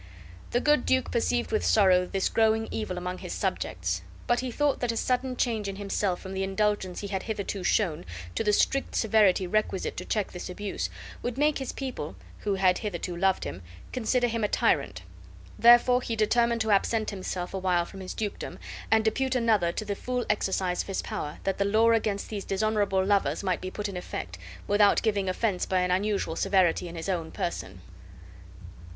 The good duke perceived with sorrow this growing evil among his subjects; but he thought that a sudden change in himself from the indulgence he had hitherto shown, to the strict severity requisite to check this abuse, would make his people (who had hitherto loved him) consider him as a tyrant; therefore he determined to absent himself awhile from his dukedom and depute another to the full exercise of his power, that the law against these dishonorable lovers might be put in effect, without giving offense by an unusual severity in his own person.